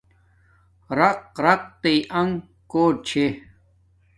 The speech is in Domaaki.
رَق رق تئ انݣ کوٹ چھس